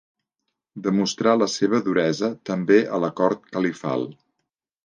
Demostrà la seva duresa també a la cort califal.